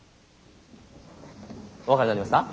お分かりになりますか？ね？